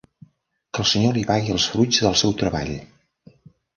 Que el Senyor li pagui els fruits del seu treball.